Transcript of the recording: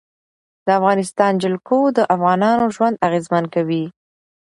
د افغانستان جلکو د افغانانو ژوند اغېزمن کوي.